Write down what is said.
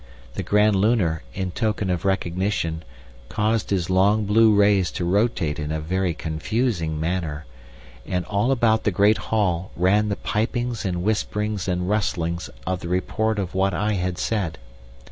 The Grand Lunar, in token of recognition, caused his long blue rays to rotate in a very confusing manner, and all about the great hall ran the pipings and whisperings and rustlings of the report of what I had said.